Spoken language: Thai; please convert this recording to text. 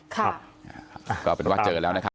ครับก็เป็นว่าเจอแล้วนะครับ